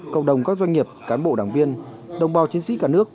cộng đồng các doanh nghiệp cán bộ đảng viên đồng bào chiến sĩ cả nước